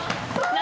何？